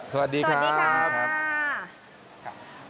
สวัสดีครับสวัสดีครับ